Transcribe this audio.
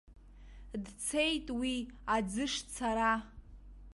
Дцеит уи аӡы шцара.